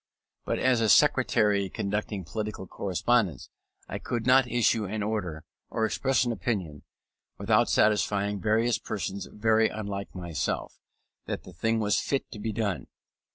But as a Secretary conducting political correspondence, I could not issue an order, or express an opinion, without satisfying various persons very unlike myself, that the thing was fit to be done.